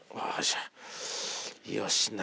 よし。